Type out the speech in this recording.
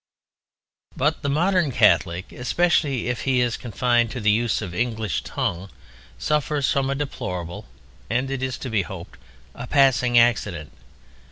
But the modern Catholic, especially if he is confined to the use of the English tongue, suffers from a deplorable (and it is to be hoped), a passing accident.